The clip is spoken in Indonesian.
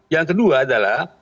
yang kedua adalah